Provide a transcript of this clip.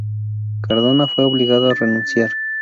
Cardona fue obligado a renunciar.